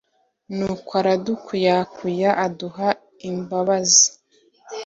Nukw’aradukuyakuya aduha imbabazi